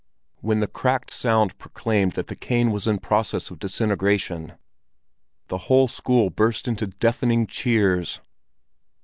When the cracked sound proclaimed that the cane was in process of disintegration, the whole school burst into deafening cheers.